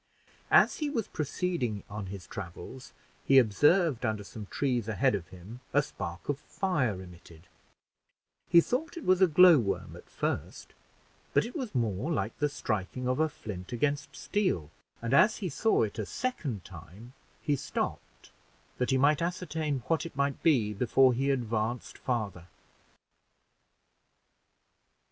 As he was proceeding on his travels, he observed, under some trees ahead of him, a spark of fire emitted; he thought it was a glow worm at first, but it was more like the striking of a flint against steel; and as he saw it a second time, he stopped that he might ascertain what it might be, before he advanced farther.